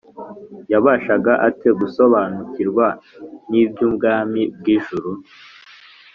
yabashaga ate gusobanukirwa n’iby’ubwami bw’ijuru?